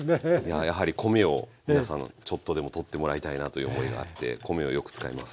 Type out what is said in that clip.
やはり米を皆さんちょっとでもとってもらいたいなという思いがあって米をよく使います。